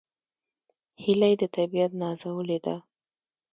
هیلۍ د طبیعت نازولې ده